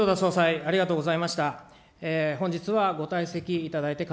ありがとうございます。